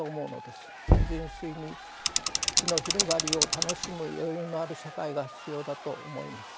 純粋に知の広がりを楽しむ余裕のある社会が必要だと思います。